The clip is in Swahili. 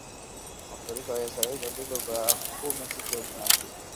Mafuriko yalisababisha vifo vya watu kumi siku ya Jumapili